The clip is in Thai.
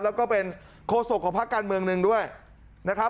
แล้วก็เป็นโคศกของภาคการเมืองหนึ่งด้วยนะครับ